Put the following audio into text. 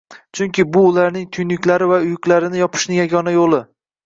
Chunki bu ularning tuynuklari va yuklarini yopishning yagona yo'li